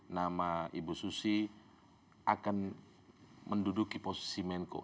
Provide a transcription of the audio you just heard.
nama ibu susi akan menduduki posisi menko